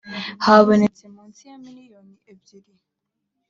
habonetse munsi ya miliyoni ebyiri